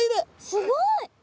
すごい！